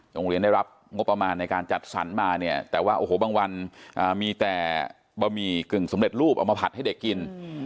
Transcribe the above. โรงเรียนได้รับงบประมาณในการจัดสรรมาเนี่ยแต่ว่าโอ้โหบางวันมีแต่บะหมี่กึ่งสำเร็จรูปเอามาผัดให้เด็กกิน